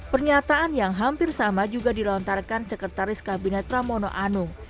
pernyataan yang hampir sama juga dilontarkan sekretaris kabinet pramono anung